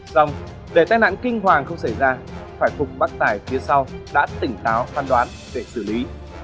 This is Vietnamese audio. xong để tai nạn kinh hoàng không xảy ra phải phục bác tải phía sau đã tỉnh táo phán đoán để xử lý